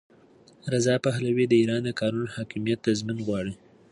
رضا پهلوي د ایران د قانون حاکمیت تضمین غواړي.